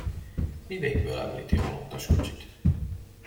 Mivégből említi a halottaskocsit?